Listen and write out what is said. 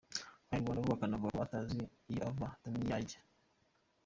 Abanyarwanda bo bakanavuga ko utazi iyo ava, atamenya n’iyo ajya.